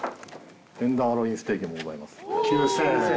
テンダーロインステーキもございます。